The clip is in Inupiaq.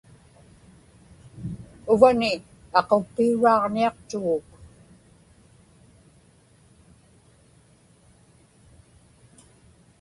uvani aquppiuraaġniaqtuguk